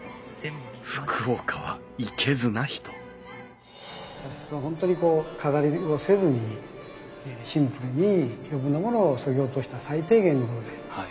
福岡はいけずな人茶室は本当にこう飾りをせずにシンプルに余分なものをそぎ落とした最低限なもので。